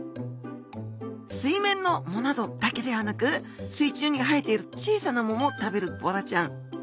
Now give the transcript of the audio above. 水面の藻などだけではなく水中にはえている小さな藻も食べるボラちゃん。